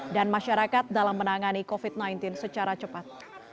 dan masyarakat dalam menangani covid sembilan belas secara cepat